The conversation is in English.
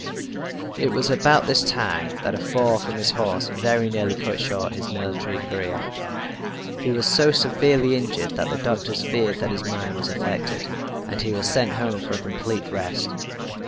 It was about this time that a fall from his horse very nearly cut short his military career. He was so severely injured that the doctors feared that his mind was affected, and he was sent home for a complete rest.